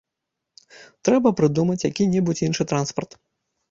Трэба прыдумаць які-небудзь іншы транспарт.